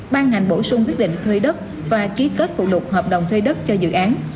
ban hành bổ sung quyết định thuê đất và ký kết phụ lục hợp đồng thuê đất cho dự án